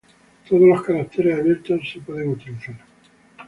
Todos los caracteres abiertos pueden ser utilizados.